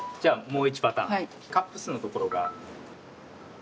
カップ数のところが。